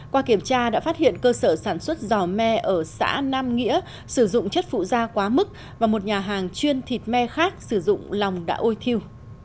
qua kiểm tra đã phát hiện cơ sở sản xuất giò me ở xã nam nghĩa sử dụng chất phụ da quá mức và một nhà hàng chuyên thịt me khác sử dụng lòng đã ôi thiêu